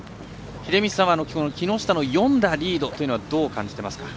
秀道さんは木下の４打リードというのはどう感じてますか。